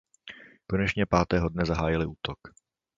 Konečně pátého dne zahájil útok.